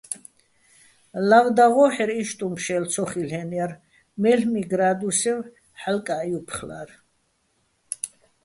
ლავ დაღო́ჰ̦ერ, იშტუჼ ფშელ ცო ხილ'ეჼჲარ, მელ'მი გრა́დუსევ ჰ̦ალკა́ჸ ჲოფხლა́რ.